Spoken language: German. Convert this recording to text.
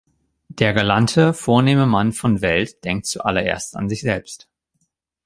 Der galante, vornehme Mann von Welt denkt zuallerletzt an sich selbst.